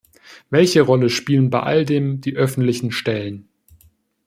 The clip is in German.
Welche Rolle spielen bei all dem die öffentlichen Stellen?